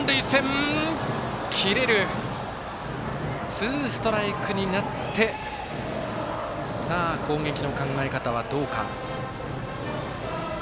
ツーストライクになって攻撃の考え方はどうか。